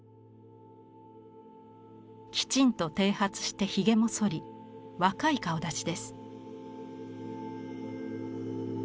きちんとてい髪してひげもそり若い顔だちです。